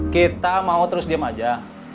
kita mau terus diem aja